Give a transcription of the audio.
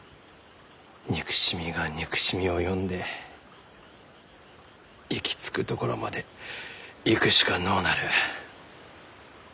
憎しみが憎しみを呼んで行き着くところまで行くしかのうなる。